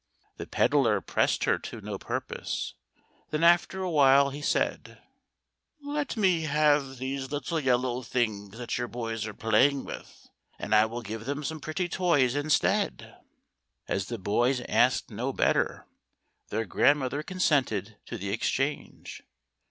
The pedlar pressed her to no purpose, then after a while he said :" Let me have these little yellow things that your boys are playing with, and I will give them some pretty toys instead." As the boys asked no better, their grandmother con sented to the exchange.